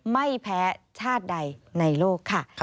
ไม่แพ้ชาติใดในโลกค่ะ